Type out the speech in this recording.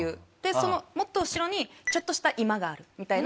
そのもっと後ろにちょっとした居間があるみたいな。